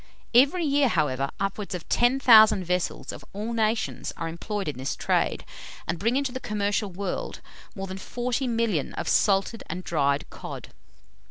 Every year, however, upwards of 10,000 vessels, of all nations, are employed in this trade, and bring into the commercial world more than 40,000,000 of salted and dried cod.